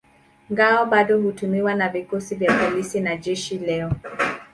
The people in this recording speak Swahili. Ngao bado hutumiwa na vikosi vya polisi na jeshi leo.